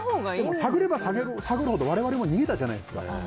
探れば探るほど我々も逃げたじゃないですか。